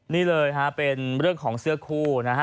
นี่เลยฮะเป็นเรื่องของเสื้อคู่นะฮะ